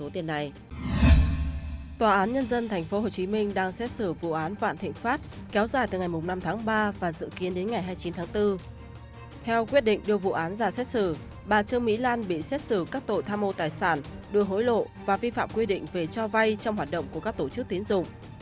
theo quyết định đưa vụ án ra xét xử bà trương mỹ lan bị xét xử các tội tham mô tài sản đưa hối lộ và vi phạm quy định về cho vay trong hoạt động của các tổ chức tiến dụng